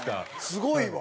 すごいわ！